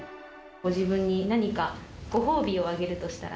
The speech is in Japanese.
ご自分に何かご褒美をあげるとしたら。